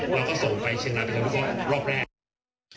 เราก็ส่งไปเชียงราคมันก็รอบแรก